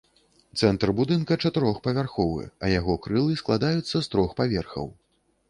Цэнтр будынка чатырохпавярховы, а яго крылы складаюцца з трох паверхаў.